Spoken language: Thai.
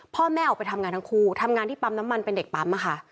พ่อแม่ออกไปทำงานทั้งคู่ทำงานที่ปั๊มน้ำมันเป็นเด็กปั๊มค่ะ